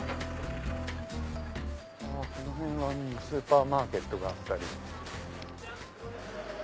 この辺はスーパーマーケットがあったり。